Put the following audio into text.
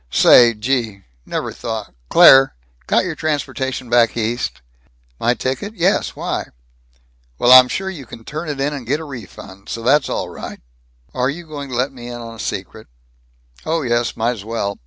"Say! Gee! Never thought Claire! Got your transportation back East?" "My ticket? Yes. Why?" "Well, I'm sure you can turn it in and get a refund. So that's all right." "Are you going to let me in on the secret?" "Oh yes, might's well.